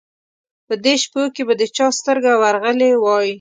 په دې شپو کې به د چا سترګه ورغلې وای.